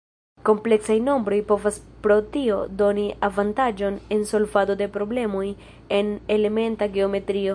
Kompleksaj nombroj povas pro tio doni avantaĝon en solvado de problemoj en elementa geometrio.